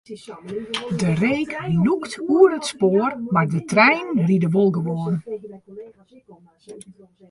De reek lûkt oer it spoar, mar de treinen ride wol gewoan.